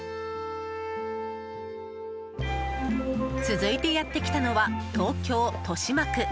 続いてやってきたのは東京・豊島区。